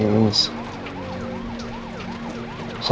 kamu habis kena luka tusuk mas